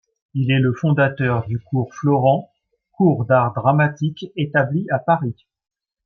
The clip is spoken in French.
Il est le fondateur du Cours Florent, cours d'art dramatique établi à Paris.